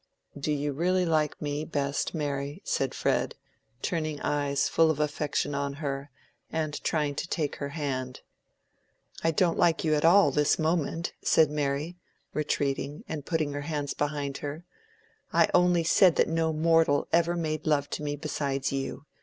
"Do you really like me best, Mary?" said Fred, turning eyes full of affection on her, and trying to take her hand. "I don't like you at all at this moment," said Mary, retreating, and putting her hands behind her. "I only said that no mortal ever made love to me besides you.